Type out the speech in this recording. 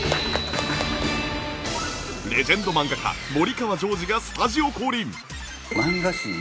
レジェンド漫画家森川ジョージがスタジオ降臨！